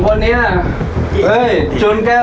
โอเคโอเคห้องไหนนะ